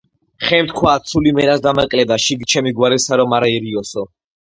ხემ თქვა: „ცული მე რას დამაკლებდა, შიგ ჩემი გვარისა რომ არ ერიოსო